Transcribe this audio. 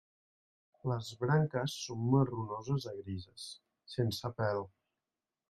Les branques són marronoses a grises, sense pèl.